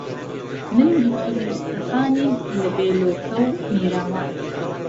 من دوکتور موستهفا نیم له بێلۆکه و میراوان